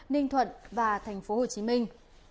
ninh thuận và thành phố hồ chí minh